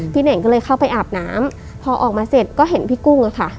เน่งก็เลยเข้าไปอาบน้ำพอออกมาเสร็จก็เห็นพี่กุ้งอะค่ะ